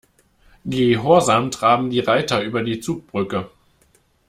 Gehorsam traben die Reiter über die Zugbrücke.